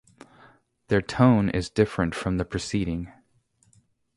Their tone is different from the preceding.